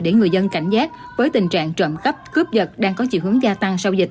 để người dân cảnh giác với tình trạng trộm cắp cướp giật đang có chiều hướng gia tăng sau dịch